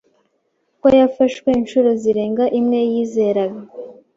ko yafashwe inshuro zirenze imwe yizeraga